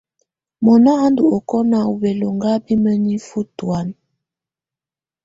Mɔna a ndù ɔkɔna u bɛlɔŋga bi mǝnifǝ tɔ̀ána.